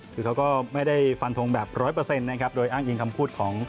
คือเขาก็ไม่ได้ฟันทงแบบ๑๐๐โดยอ้างอิงคำพูดของ